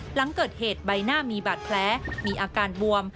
หลังเกิดเหตุใบหน้ามีบาดแผลมีอาการบวม